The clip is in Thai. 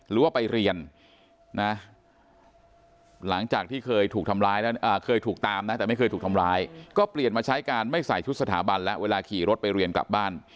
หรือว่าไปเรียนนะหลังจากที่เคยถูกทำร้ายแล้วเคยถูกตามนะแต่ไม่เคยถูกทำร้ายก็เปลี่ยนมาใช้การไม่ใส่ชุดสถาบันและเวลาขี่รถไปเรียนกลับบ้าน